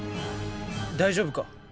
大丈夫か？